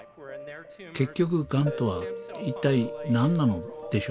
結局がんとは一体何なのでしょうか。